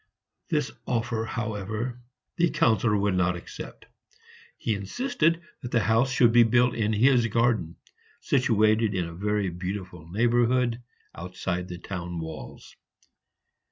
This offer, however, the Councillor would not accept; he insisted that the house should be built in his garden, situated in a very beautiful neighborhood outside the town walls.